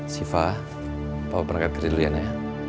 siva bawa berangkat kerja dulu ya naya